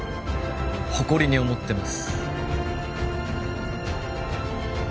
誇りに思ってます